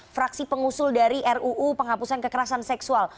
fraksi pengusul dari ruu penghapusan kekerasan seksual